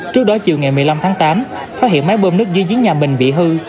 trước đó chiều ngày một mươi năm tháng tám phát hiện máy bơm nước dưới giếng nhà mình bị hư